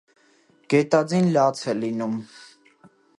Գետաձին լաց է լինում։